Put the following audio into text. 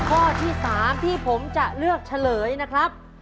ข้อที่๓ที่ผมจะเลือกเฉลยนะครับ